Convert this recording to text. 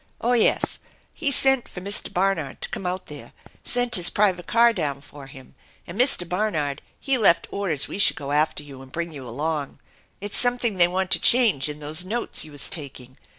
Oh, yes. He sent for Mr. Barnard to come out there, sent his private car down for him ; and Mr. Barnard, hs left orders we should go after you and bring you along. It's something they want to change in those notes you was taking.